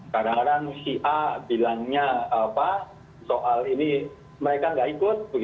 kadang kadang si a bilangnya soal ini mereka nggak ikut